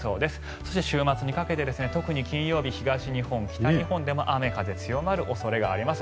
そして週末にかけて特に金曜日東日本、北日本でも雨、風強まる恐れがあります。